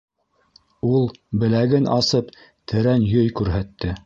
— Ул, беләген асып, тәрән йөй күрһәтте.